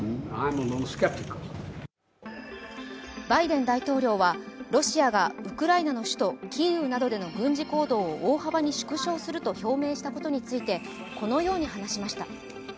バイデン大統領はロシアがウクライナの首都キーウなどでの軍事行動を大幅に縮小すると表明したことについて、このように話しました。